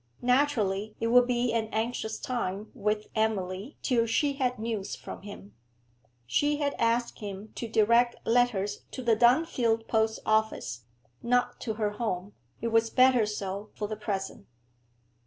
Naturally it would be an anxious time with Emily till she had news from him. She had asked him to direct letters to the Dunfield post office, not to her home; it was better so for the present.